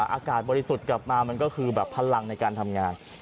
อากาศบริสุทธิ์กลับมามันก็คือแบบพลังในการทำงาน